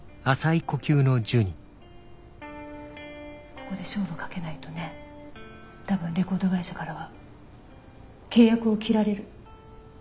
ここで勝負かけないとね多分レコード会社からは契約を切られる。